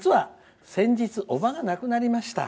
先日おばが亡くなりました。